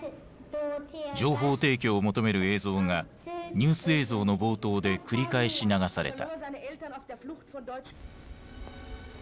情報提供を求める映像がニュース映像の冒頭で繰り返し流された。